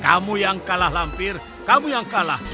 kamu yang kalah lampir kamu yang kalah